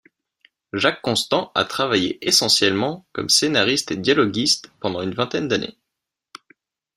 Jacques Constant a travaillé essentiellement comme scénariste et dialoguiste pendant une vingtaine d'années.